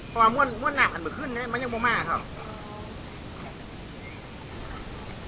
ความอ้วนน้ำกันมาขึ้นมันยังไม่มากหรอก